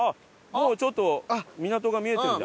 もうちょっと港が見えてるじゃん。